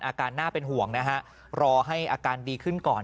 อาการน่าเป็นห่วงนะฮะรอให้อาการดีขึ้นก่อน